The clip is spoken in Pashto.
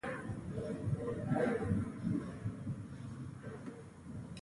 دا سنتي نظریه د اس شاته د ګاډۍ تړل دي